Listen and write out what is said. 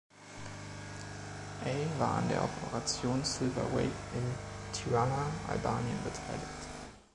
A war an der Operation Silver Wake in Tirana, Albanien, beteiligt.